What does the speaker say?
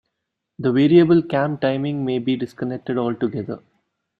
The variable cam timing may be disconnected altogether.